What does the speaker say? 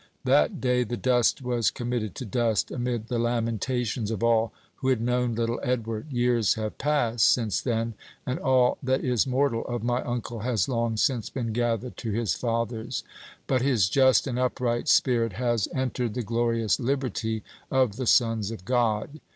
That day the dust was committed to dust, amid the lamentations of all who had known little Edward. Years have passed since then, and all that is mortal of my uncle has long since been gathered to his fathers; but his just and upright spirit has entered the glorious liberty of the sons of God.